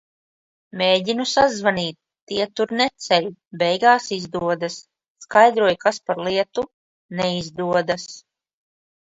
Mēģinu sazvanīt, tie tur neceļ, beigās izdodas. Skaidroju, kas par lietu, neizdodas.